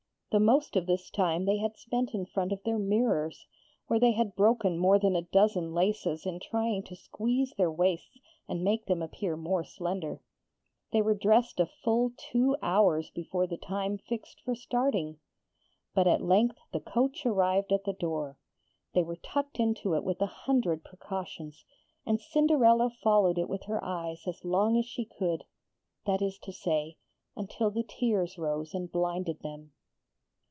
The most of this time they had spent in front of their mirrors, where they had broken more than a dozen laces in trying to squeeze their waists and make them appear more slender. They were dressed a full two hours before the time fixed for starting. But at length the coach arrived at the door. They were tucked into it with a hundred precautions, and Cinderella followed it with her eyes as long as she could; that is to say, until the tears rose and blinded them.